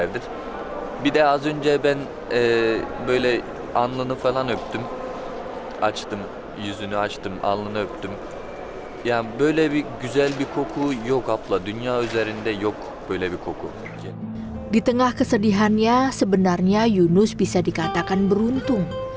di tengah kesedihannya sebenarnya yunus bisa dikatakan beruntung